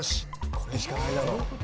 これしかないだろう。